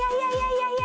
いやいや。